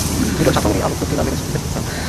Newton সাত রঙের এই আলোক পট্টির নাম দিলেন স্পেকট্রাম।